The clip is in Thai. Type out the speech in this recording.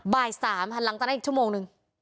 บ่าย๓หันหลังจะได้อีกชั่วโมงนึง